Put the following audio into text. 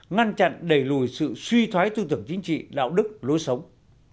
ngăn chặn đẩy lùi sự suy thoái tư tưởng chính trị đạo đức lối sống